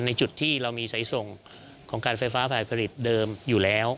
จุดที่เรามีสายส่งของการไฟฟ้าฝ่ายผลิตเดิมอยู่แล้ว